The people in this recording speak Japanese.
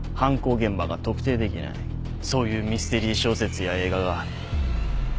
そういうミステリー小説や映画が。